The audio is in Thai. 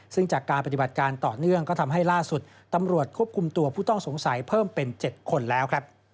ซึ่งจากการปฏิบัติการต่อเนื่องก็ทำให้ล่าสุดตำรวจควบคุมตัวผู้ต้องสงสัยเพิ่มเป็น๗คนแล้วครับ